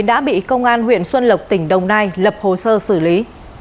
đã bị công an huyện xuân lộc tỉnh đồng nai lập hồ sơ xử lý